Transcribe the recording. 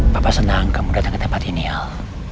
papa senang kamu datang ke tempat ini al